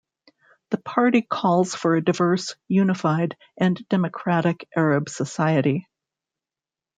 The party calls for a diverse, unified, and democratic Arab society.